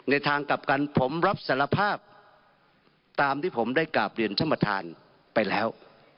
ทางกลับกันผมรับสารภาพตามที่ผมได้กราบเรียนท่านประธานไปแล้ว